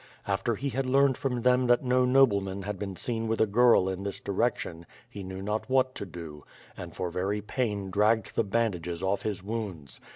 After he had learned from them that no nobleman had been seen with a girl in this direction he knew not what to do, and for very pain dragged the bandages off his wounds.